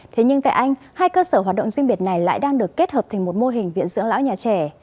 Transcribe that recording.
thế nhưng tại anh hai cơ sở hoạt động riêng biệt này lại đang được kết hợp thành một mô hình viện dưỡng lão nhà trẻ